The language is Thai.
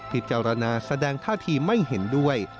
พิจารณาแสดงท่าทีไม่เห็นด้วย